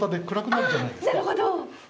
あ、なるほど。